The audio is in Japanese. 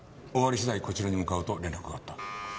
終わり次第こちらに向かうと連絡があった。